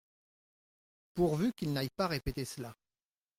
Pourvu qu’il n’aille pas répéter cela.